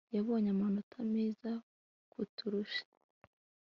yabonye amanota meza kuturusha